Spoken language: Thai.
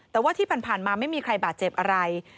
แต่ว่าที่ผ่านมาไม่มีใครบาดเจ็บอะไร